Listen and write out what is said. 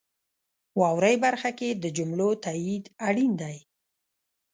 واورئ برخه کې د جملو تایید اړین دی.